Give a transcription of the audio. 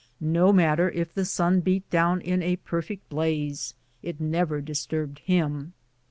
No matter if the sun beat down in a perfect blaze, it never disturbed him.